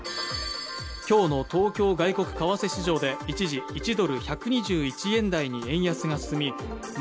きょうの東京外国為替市場で一時１ドル＝１２１円台に円安が進み